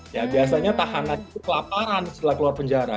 ya biasanya tahanan itu kelaparan setelah keluar penjara